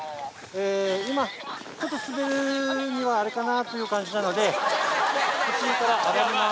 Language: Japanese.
今ちょっと滑るにはあれかなという感じなので途中から上がります。